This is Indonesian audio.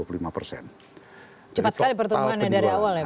cepat sekali pertumbuhannya dari awal ya pak